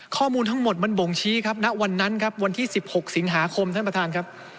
ข้อมูลทั้งหมดมันบ่งชี้ครับณวันนั้นครับวันที่๑๖สิงหาคมท่านประธานครับ